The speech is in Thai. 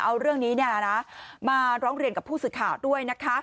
มาร้องเรียน๒๐๒๔มาได้กับผู้สิทธิ์ข่าวด้วย